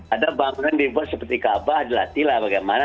ada bangunan dibuat seperti kaabah dilatih lah bagaimana